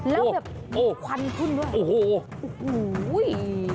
แล้วมีควันขึ้นด้วย